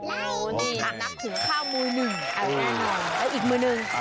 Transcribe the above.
โอ้โฮนี่นับหุงข้าวมือหนึ่งอีกมือหนึ่ง